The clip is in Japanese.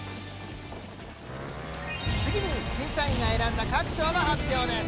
次に審査員が選んだ各賞の発表です。